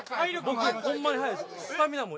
僕ホンマに速いです